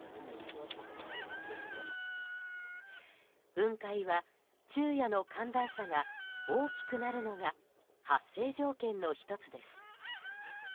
雲海は、昼夜の寒暖差が大きくなるのが発生条件の１つです。